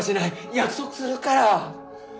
約束するから！